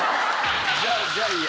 じゃあいいや。